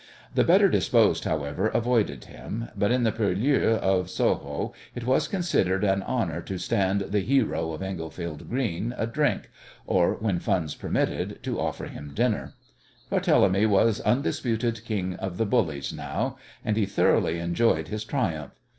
The better disposed, however, avoided him, but in the purlieus of Soho it was considered an honour to stand the "hero" of Englefield Green a drink, or, when funds permitted, to offer him dinner. Barthélemy was undisputed king of the bullies now, and he thoroughly enjoyed his triumph.